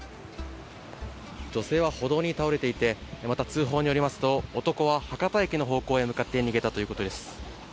女性は歩道に倒れていてまた通報によりますと男は博多駅の方向へ向かって逃げたということです。